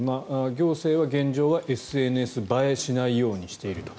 行政は現状はＳＮＳ映えしないようにしていると。